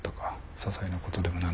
ささいなことでも何でもいい。